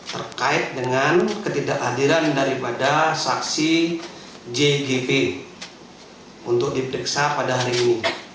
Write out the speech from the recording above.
terkait dengan ketidakhadiran daripada saksi jgp untuk diperiksa pada hari ini